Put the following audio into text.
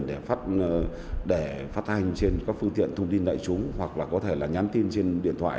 để phát hành trên các phương tiện thông tin đại chúng hoặc là có thể là nhắn tin trên điện thoại